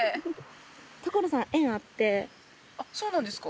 そうなんですか。